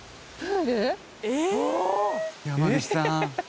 山口さん。